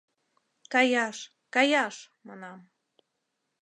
— Каяш, каяш! — манам.